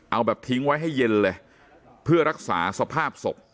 เอาแบบทิ้งไว้ให้เย็นเลยเพื่อรักษาสภาพศพ